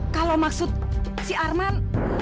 kalau maksud si arman